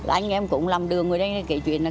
anh em cũng làm đường người ta kể chuyện là